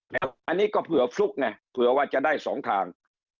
อันนี้ก็เผื่อฟลุกไงเผื่อว่าจะได้๒ทาง